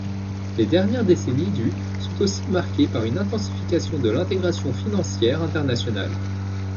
Les dernières décennies du sont aussi marquées par une intensification de l’intégration financière internationale.